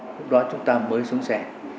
lúc đó chúng ta mới xuống xe